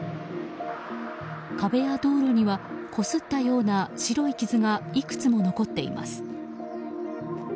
壁や道路にはこすったような白い傷がいくつも残っています。